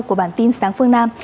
của bản tin sáng phương nam